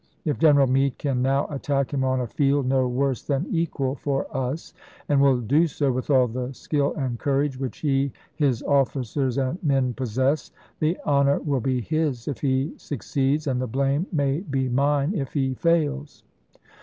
If General Meade can now attack him on a field no worse than equal for us, and will do so with all the skill and courage, which he, his officers, and men possess, the honor to Seek, will be his if he succeeds, and the blame may be 1863." MS. mine if he fails."